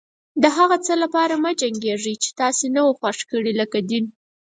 د هغه څه لپاره مه جنګيږئ چې تاسې نه و خوښ کړي لکه دين.